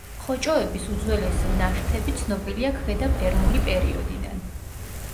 ხოჭოების უძველესი ნაშთები ცნობილია ქვედა პერმული პერიოდიდან.